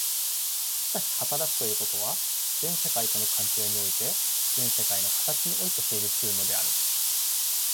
しかし働くということは、全世界との関係において、全世界の形において成立するのである。